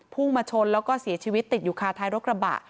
พุ่งมาชนแล้วก็เสียชีวิตติดอยู่คาท้ายรถกระบะ